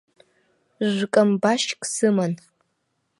Жә-камбашьк сыман.